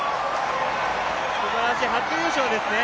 すばらしい、初優勝ですね！